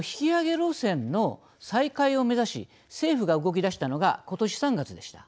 路線の再開を目指し政府が動きだしたのがことし３月でした。